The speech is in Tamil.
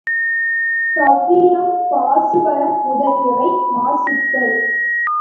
சவ்வீரம், பாசுவரம் முதலியவை மாசுகள்.